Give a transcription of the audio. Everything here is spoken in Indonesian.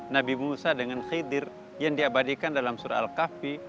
nabi musa dengan khaidir yang diabadikan dalam surah al kafi